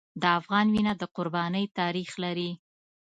د افغان وینه د قربانۍ تاریخ لري.